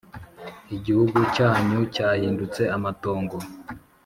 Igihugu cyanyu cyahindutse amatongo,